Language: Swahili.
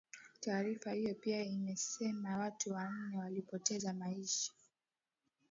taarifa hiyo pia imesema watu wanne walipoteza maisha